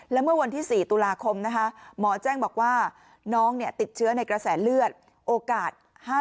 และเมื่อวันที่๔ตุลาคมนะคะหมอแจ้งบอกว่าน้องติดเชื้อในกระแสเลือดโอกาส๕๐